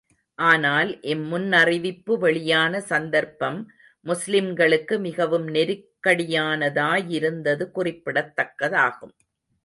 ஆனால் இம் முன்னறிவிப்பு வெளியான சந்தர்ப்பம், முஸ்லிம்களுக்கு மிகவும் நெருக்கடியானதாயிருந்தது குறிப்பிடத் தக்கதாகும்.